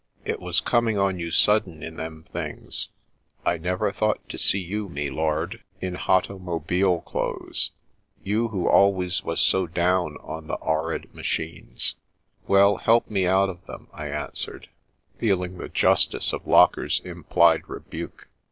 " It was com ing on you sudden in them things. I never thought to see you, me lord, in hotomobeel clothes — ^om who always was so down on the 'orrid machines." " Well, help me out of them," I answered, feel ing the justice of Locker's implied rebuke.